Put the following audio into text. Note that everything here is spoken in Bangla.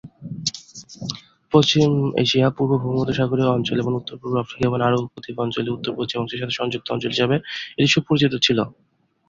পশ্চিম এশিয়া, পূর্ব ভূমধ্যসাগরীয় অঞ্চল ও উত্তর-পূর্ব আফ্রিকা এবং আরব উপদ্বীপ অঞ্চলের উত্তর-পশ্চিমাংশের সাথে সংযুক্ত অঞ্চল হিসেবে এটি সুপরিচিত ছিল।